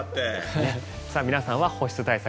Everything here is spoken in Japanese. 皆さんは保湿対策